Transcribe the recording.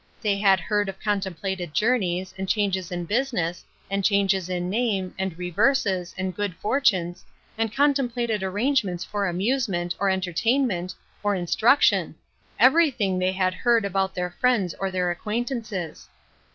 They had heard of contemplated journeys, and changes in busi ness, and changes in name, and reverses, and good fortunes, and contemplated arrangements for amusement, or entertainment, or instruc 134 Ruth Ershine's C. »%€%* tion ; everything they had heard about then friends or their acquaintances.